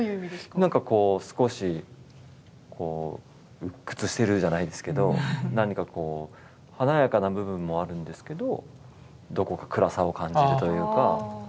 何かこう少し鬱屈してるじゃないですけど何かこう華やかな部分もあるんですけどどこか暗さを感じるというか。